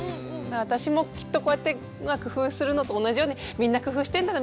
私もきっとこうやって工夫するのと同じようにみんな工夫してんだな